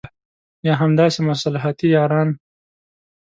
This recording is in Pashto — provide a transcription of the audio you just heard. یا همداسې مصلحتي یاران وي.